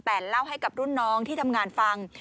แต่เล่าให้กับรุ่นน้องที่ทำงานฟัง